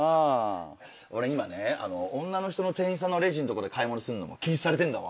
俺今ね女の人の店員さんのレジんとこで買い物すんのも禁止されてんだわ。